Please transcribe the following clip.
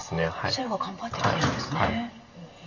白は頑張ってきてるんですね。